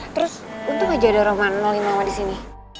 terus untung aja ada roman nolain mama di sini